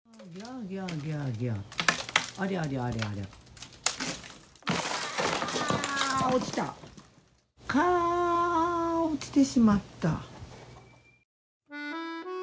ああ！かあ落ちてしまった。